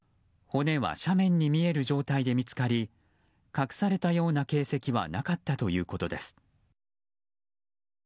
骨は、斜面に見える状態で見つかり隠されたような形跡はなかったということです。